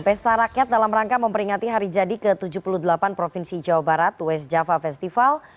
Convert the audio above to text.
pesta rakyat dalam rangka memperingati hari jadi ke tujuh puluh delapan provinsi jawa barat west java festival